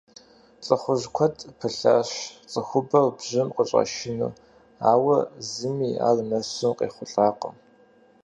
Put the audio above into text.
ЛӀыхъужь куэд пылъащ цӀыхубэр бжьым къыщӀашыну, ауэ зыми ар нэсу къехъулӀакъым.